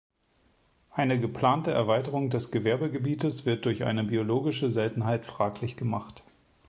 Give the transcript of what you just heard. Eine geplante Erweiterung des Gewerbegebietes wird durch eine biologische Seltenheit fraglich gemacht.